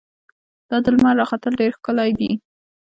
دا د لمر راختل ډېر ښکلی دي.